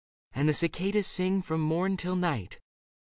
And the cicadas sing from morn till night.